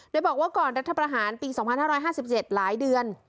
โดยบอกว่าก่อนรัฐประหารปี๒๕๕๗หลายเดือน